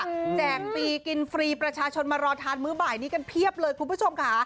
แจกฟรีกินฟรีประชาชนมารอทานมื้อบ่ายนี้กันเพียบเลยคุณผู้ชมค่ะ